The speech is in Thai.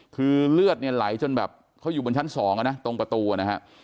คือเลือดเนี่ยไหลจนแบบเขาอยู่บนชั้น๒นะตรงประตูนะฮะ